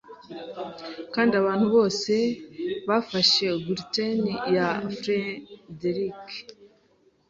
Kandi abantu bose bafashe gluten ya Friedrich